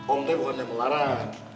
om teh bukan yang melarang